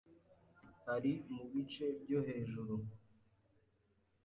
Ari mubice byo hejuru.